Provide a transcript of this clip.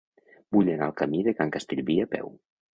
Vull anar al camí de Can Castellví a peu.